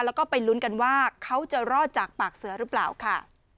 แล้วก็ไปลุ้นกันว่าเขาจะรอดจากปากเสือหรือเปล่าค่ะ